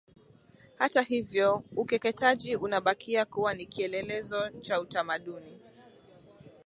Hata hivyo Ukeketaji unabakia kuwa ni kielelezo cha utamaduni